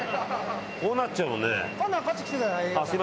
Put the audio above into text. こうなっちゃうもんね。